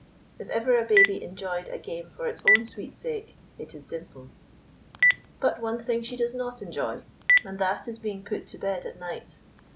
If ever a baby enjoyed a game for its own sweet sake, it is Dimples. But one thing she does not enjoy, and that is being put to bed at night.